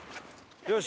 よし。